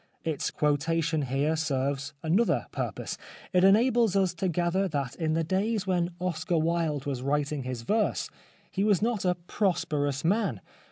Its quotation here serves another purpose. It enables us to gather that in the days when Oscar Wilde was writing his verse he was not a prosperous man.